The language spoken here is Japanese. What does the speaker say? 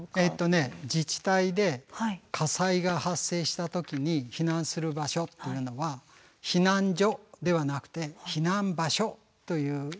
自治体で火災が発生した時に避難する場所っていうのは避難所ではなくて避難場所という名前で。